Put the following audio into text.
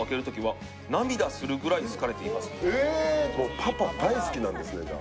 パパ、大好きなんですね。